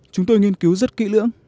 chúng tôi nghiên cứu rất kỹ lưỡng